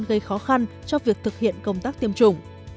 gây khó khăn cho việc thực hiện công tác tiêm chủng